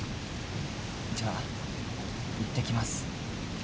じゃあいってきます。